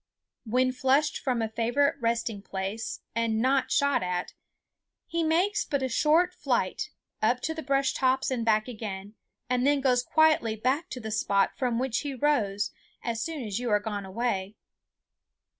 When flushed from a favorite resting place and not shot at, he makes but a short flight, up to the brush tops and back again, and then goes quietly back to the spot from which he rose as soon as you are gone away.